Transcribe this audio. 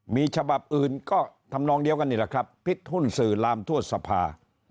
มีฉบับอื่นก็ทำนองเดียวกันนี่แหละครับพิษหุ้นสื่อลามทั่วสภา